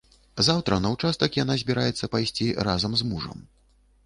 Заўтра на ўчастак яна збіраецца пайсці разам з мужам.